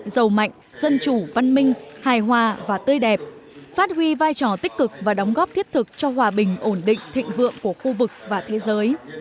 giàu mạnh dân chủ văn minh hài hòa và tươi đẹp phát huy vai trò tích cực và đóng góp thiết thực cho hòa bình ổn định thịnh vượng của khu vực và thế giới